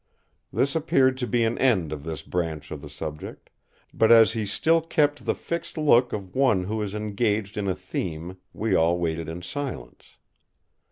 This appeared to be an end of this branch of the subject; but as he still kept the fixed look of one who is engaged in a theme we all waited in silence.